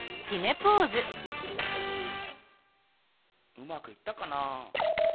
うまくいったかな？